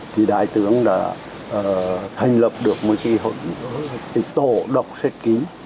thì đại tướng đã thành lập được một cái hội tổ đọc sách kính